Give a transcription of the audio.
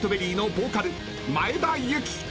ボーカル前田有嬉！］